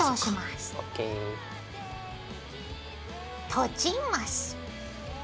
閉じます。